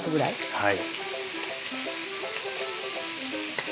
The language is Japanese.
はい。